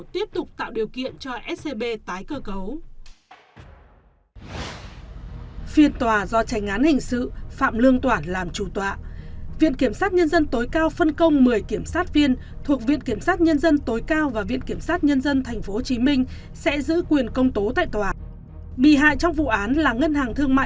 tiếp tục tạo điều kiện cho scb tái hóa